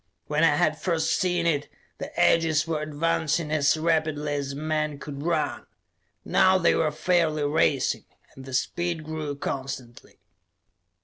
When I had first seen it, the edges were advancing as rapidly as a man could run; now they were fairly racing, and the speed grew constantly.